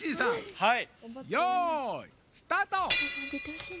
よいスタート！